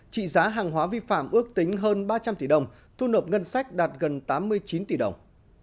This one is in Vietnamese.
trị giá hàng hóa vi phạm ước tính hơn ba trăm linh tỷ đồng thu nộp ngân sách đạt gần tám mươi chín tỷ đồng